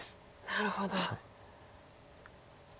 なるほど。